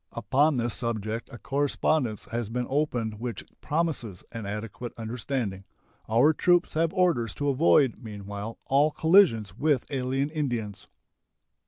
Upon this subject a correspondence has been opened which promises an adequate understanding. Our troops have orders to avoid meanwhile all collisions with alien Indians.